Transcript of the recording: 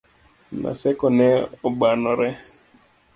Naseko ne obanore